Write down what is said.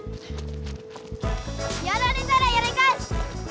やられたらやりかえす！